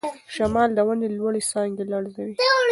شمال د ونې لوړې څانګې لړزوي.